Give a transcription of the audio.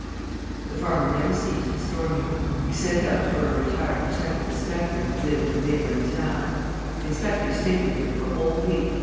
The farmer never ceased storming. He sent for a retired detective inspector who lived in the neighbouring town. The inspector stayed with him for a whole week.